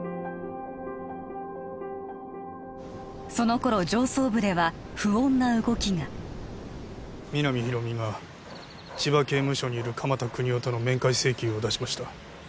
その頃上層部では不穏な動きが皆実広見が千葉刑務所にいる鎌田國士との面会請求を出しました